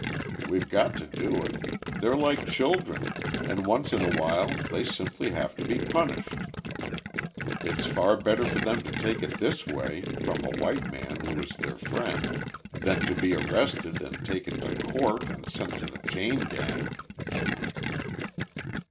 We've got to do it; they're like children and once in a while they simply have to be punished. It's far better for them to take it this way, from a white man who is their friend, than to be arrested and taken to court and sent to the chain gang."